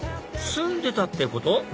住んでたってこと？